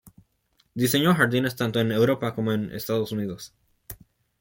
Diseñó jardines tanto en Europa como en Estados Unidos.